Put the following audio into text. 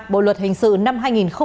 bộ luật hình sự năm hai nghìn một mươi năm